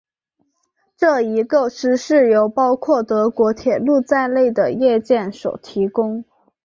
这一构思是由包括德国铁路在内的业界所提供。